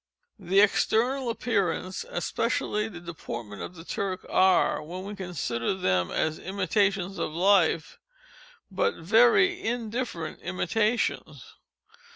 The external appearance, and, especially, the deportment of the Turk, are, when we consider them as imitations of _life, _but very indifferent imitations.